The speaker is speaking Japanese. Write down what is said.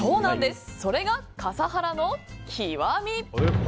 それが笠原の極み。